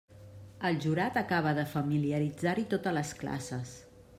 El jurat acaba de familiaritzar-hi totes les classes.